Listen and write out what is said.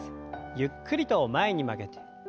ゆっくりと前に曲げて。